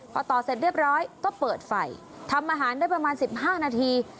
พอต่อเสร็จเรียบร้อยก็เปิดไฟทำอาหารได้ประมาณ๑๕นาที